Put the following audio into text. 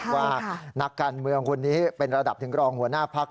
ว่านักการเมืองคนนี้เป็นระดับถึงรองหัวหน้าพัก